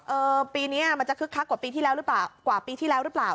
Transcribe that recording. ปีนี้มันจะคึกคักกว่าปีที่แล้วหรือเปล่ากว่าปีที่แล้วหรือเปล่า